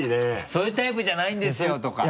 そういうタイプじゃないんですよとか。